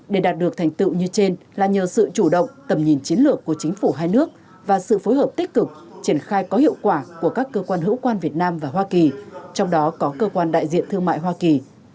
để đạt được thành tựu như trên là nhờ sự chủ động tầm nhìn chiến lược của chính phủ hai nước và sự phối hợp tích cực triển khai có hiệu quả của các cơ quan hữu quan việt nam và hoa kỳ trong đó có cơ quan đại diện thương mại hoa kỳ